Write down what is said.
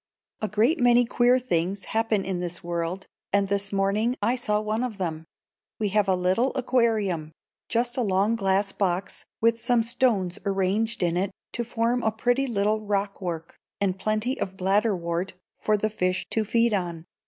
A GREAT many queer things happen in this world, and this morning I saw one of them. We have a little aquarium,—just a long glass box, with some stones arranged in it to form a pretty little rock work, and plenty of bladder wort for the fish to feed on.